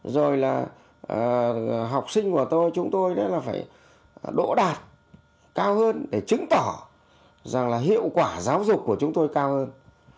rồi là học sinh của tôi chúng tôi là phải đỗ đạt cao hơn để chứng tỏ rằng là hiệu quả giáo dục của chúng tôi cao hơn